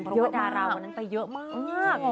เพราะว่าดาราวันนั้นไปเยอะมาก